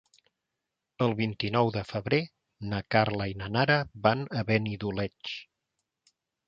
El vint-i-nou de febrer na Carla i na Nara van a Benidoleig.